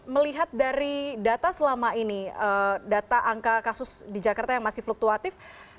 melihat dari data selama ini data angka kasus di jakarta yang masih fluktuatif